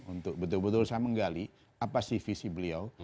untuk betul betul saya menggali apa sih visi beliau